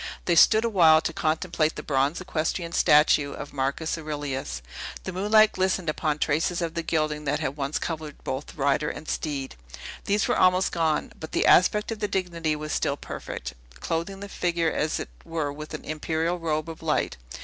They stood awhile to contemplate the bronze equestrian statue of Marcus Aurelius. The moonlight glistened upon traces of the gilding which had once covered both rider and steed; these were almost gone, but the aspect of dignity was still perfect, clothing the figure as it were with an imperial robe of light.